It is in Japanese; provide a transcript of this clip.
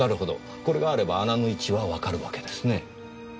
これがあれば穴の位置はわかるわけですね。